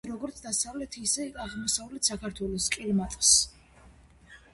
კარგად იტანს როგორც დასავლეთ, ისე აღმოსავლეთ საქართველოს კლიმატს.